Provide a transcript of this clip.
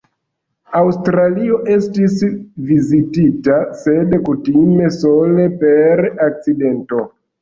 Aŭstralio estis vizitita, sed kutime sole per akcidento.